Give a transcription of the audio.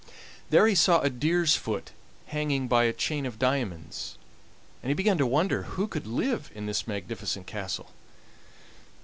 There he saw a deer's foot hanging by a chain of diamonds, and he began to wonder who could live in this magnificent castle.